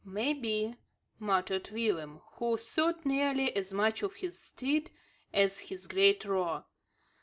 "May be," muttered Willem, who thought nearly as much of his steed as his great roer.